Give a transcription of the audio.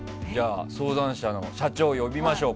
相談者の社長を呼びましょう。